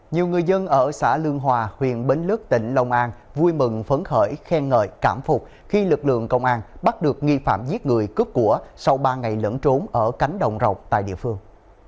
nhiều người dân ở xã lương hòa huyện bến lước tỉnh long an vui mừng phấn khởi khen ngợi cảm phục khi lực lượng công an bắt được nghi phạm giết người cướp của sau ba ngày lẫn trốn ở cánh đồng rộng tại địa phương